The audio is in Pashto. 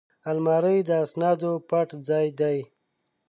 الماري د اسنادو پټ ځای دی